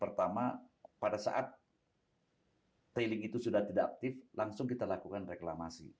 pertama pada saat tailing itu sudah tidak aktif langsung kita lakukan reklamasi